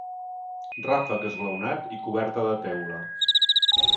Ràfec esglaonat i coberta de teula.